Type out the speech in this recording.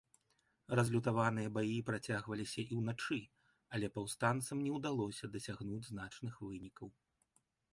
Разлютаваныя баі працягваліся і ўначы, але паўстанцам не ўдалося дасягнуць значных вынікаў.